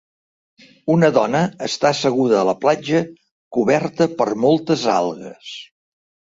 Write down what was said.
Una dona està asseguda a la platja coberta per moltes algues.